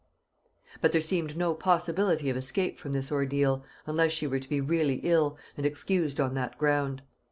But there seemed no possibility of escape from this ordeal, unless she were to be really ill, and excused on that ground.